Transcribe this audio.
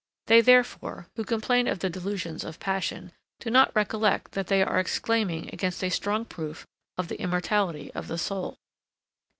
They, therefore, who complain of the delusions of passion, do not recollect that they are exclaiming against a strong proof of the immortality of the soul.